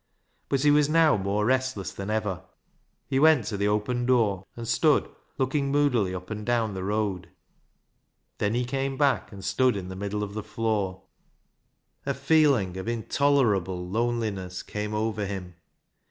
But he was now more restless than ever. He went to the open door and stood looking moodily up and down the road. Then he came back and stood in the middle of the floor. A feeling of intolerable loneliness came 274 BECKSIDE LIGHTS over him.